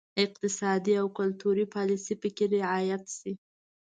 اقتصادي او کلتوري پالیسي پکې رعایت شي.